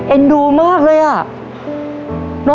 เอ็นดูมากเลยอ่ะ